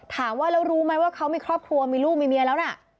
ถามว่าแล้วรู้ไหมว่าเขามีครอบครัวมีลูกมีเมียแล้วนะ